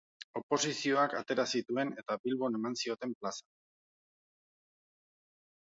Oposizioak atera zituen eta Bilbon eman zioten plaza.